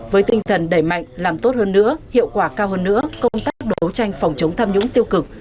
với tinh thần đẩy mạnh làm tốt hơn nữa hiệu quả cao hơn nữa công tác đấu tranh phòng chống tham nhũng tiêu cực